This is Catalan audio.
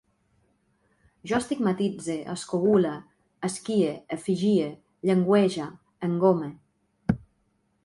Jo estigmatitze, escogule, esquie, efigie, llengüege, engome